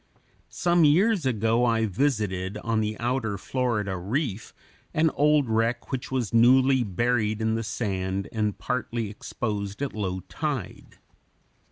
Some years ago I visited on the outer Florida Reef, an old wreck which was newly buried in the sand and partly exposed at low tide.